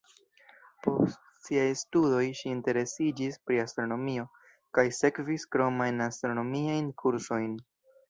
Post siaj studoj, ŝi interesiĝis pri astronomio kaj sekvis kromajn astronomiajn kursojn.